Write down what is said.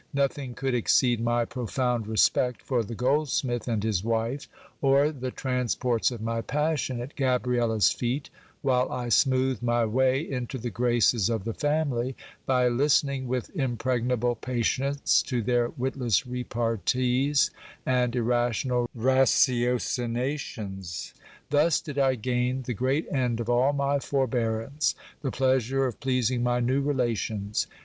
Nothing could exceed my profound respect for the goldsmith and nis wife, or the transports of my passion at Gabriela's feet, while I smoothed my way into the graces of the family, by listening with impregnable patience to their witless repartees and irrational ratiocinations. Thus did I gain the ^reat end of all my forbearance, the pleasure of pleasing my new relations.